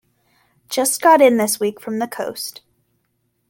Just got in this week from the coast.